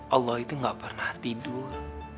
allah itu gak pernah tidur